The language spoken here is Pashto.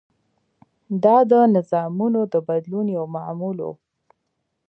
دا د نظامونو د بدلون یو معمول و.